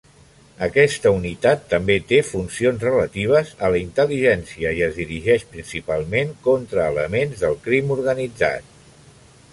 Aquesta unitat també té funcions relatives a la intel·ligència i es dirigeix principalment contra elements del crim organitzat.